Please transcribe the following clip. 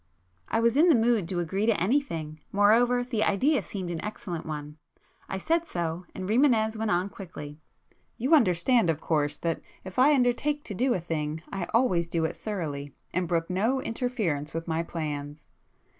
I was in the mood to agree to anything,—moreover the idea seemed an excellent one. I said so and Rimânez went on quickly— "You understand of course, that if I undertake to do a thing I always do it thoroughly, and brook no interference with my plans.